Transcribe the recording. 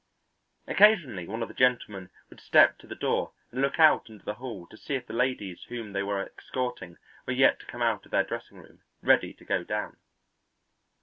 Occasionally one of the gentlemen would step to the door and look out into the hall to see if the ladies whom they were escorting were yet come out of their dressing room, ready to go down.